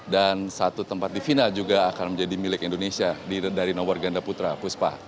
dan satu tempat di final juga akan menjadi milik indonesia dari nomor ganda putra puspa